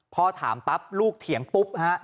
พอถามปั๊บลูกเถียงปุ๊บฮะ